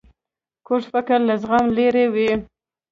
کوږ فکر له زغم لیرې وي